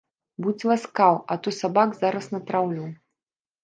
Будзь ласкаў, а то сабак зараз натраўлю.